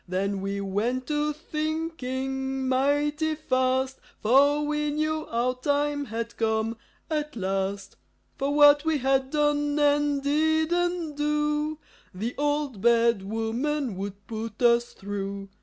Then we went to thinking mighty fast, For we knew our time had come at last. For what we had done and didn't do The Old Bad Woman would put us through.